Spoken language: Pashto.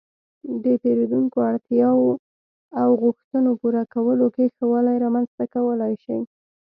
-د پېرېدونکو اړتیاو او غوښتنو پوره کولو کې ښه والی رامنځته کولای شئ